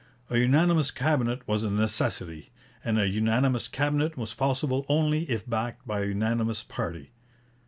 A unanimous Cabinet was a necessity, and a unanimous Cabinet was possible only if backed by a unanimous party.